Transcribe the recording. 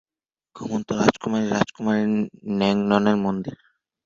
ঘুমন্ত রাজকুমারী, রাজকুমারী ন্যাং ননের মন্দির।